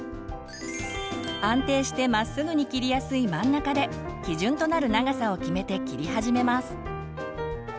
安定してまっすぐに切りやすい真ん中で基準となる長さを決めて切り始めます。